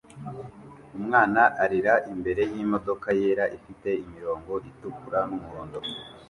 Umwana arira imbere yimodoka yera ifite imirongo itukura numuhondo